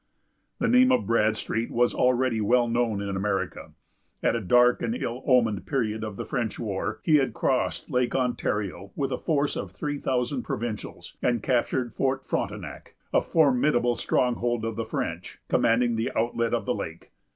The name of Bradstreet was already well known in America. At a dark and ill omened period of the French war, he had crossed Lake Ontario with a force of three thousand provincials, and captured Fort Frontenac, a formidable stronghold of the French, commanding the outlet of the lake.